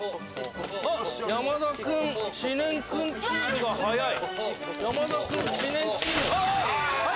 山田君・知念君チームが早い！